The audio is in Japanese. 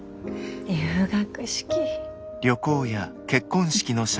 入学式。